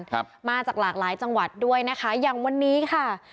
ครับมาจากหลากหลายจังหวัดด้วยนะคะอย่างวันนี้ค่ะ